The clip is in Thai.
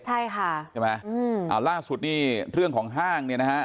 ใช่ไหมอ่าล่าสุดนี่เรื่องของห้างนี่นะฮะ